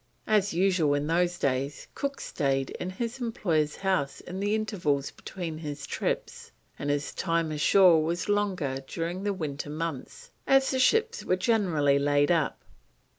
As usual in those days, Cook stayed in his employer's house in the intervals between his trips, and his time ashore was longer during the winter months as the ships were generally laid up.